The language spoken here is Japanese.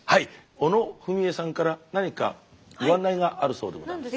小野文惠さんから何かご案内があるそうでございます。